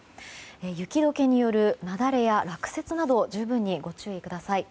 雪解けによる雪崩や落雪などに十分にご注意ください。